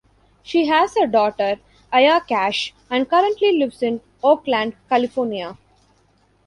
She has a daughter, Aya Cash, and currently lives in Oakland, California.